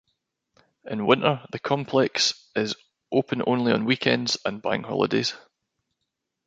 In winter, the complex is open only on weekends and bank holidays.